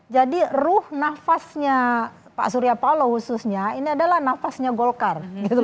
jadi ruh nafasnya pak surya paloh khususnya ini adalah nafasnya golkar